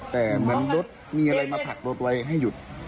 แต่เหมือนรถมีอะไรมาผลักรถไว้ให้หยุด